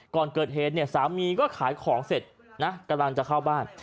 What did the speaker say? ก่อนเกิดเหตุเนี่ยสามีก็ขายของเสร็จนะกำลังจะเข้าบ้าน